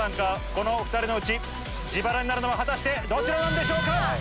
このお２人のうち自腹になるのは果たしてどちらなんでしょうか